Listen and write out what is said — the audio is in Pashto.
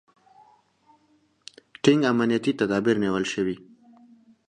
ټینګ امنیتي تدابیر نیول شوي.